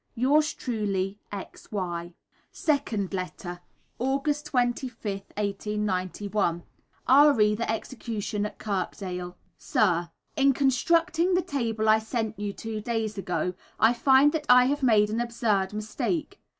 Yours truly, X. Y. (Second letter.) August 25th, 1891. Re the Execution at Kirkdale. Sir, In constructing the table I sent you two days ago, I find that I have made an absurd mistake.